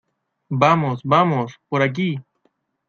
Vamos, vamos. Por aquí .